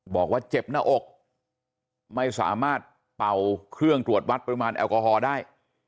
บอกว่าเจ็บหน้าอกไม่สามารถเป่าเครื่องตรวจวัดปริมาณแอลกอฮอล์ได้